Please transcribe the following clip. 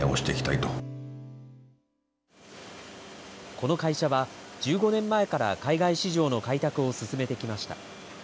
この会社は１５年前から海外市場の開拓を進めてきました。